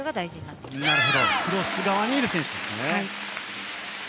なるほどクロス側にいる選手ですね。